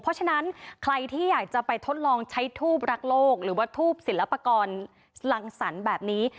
เพราะฉะนั้นใครที่อยากจะไปทดลองใช้ทูบรักโลกหรือว่าทูบศิลปกรณ์รังสรรค์แบบนี้